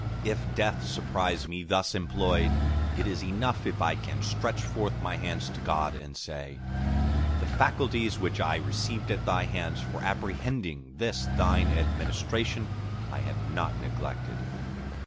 ... If death surprise me thus employed, it is enough if I can stretch forth my hands to God and say, "The faculties which I received at Thy hands for apprehending this thine Administration, I have not neglected.